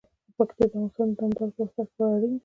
پکتیا د افغانستان د دوامداره پرمختګ لپاره اړین دي.